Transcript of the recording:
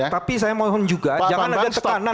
tapi saya mohon juga jangan ada tekanan